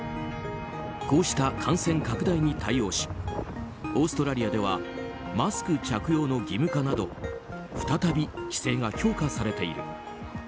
こうした感染拡大に対応しオーストラリアではマスク着用の義務化など再び規制が強化されている。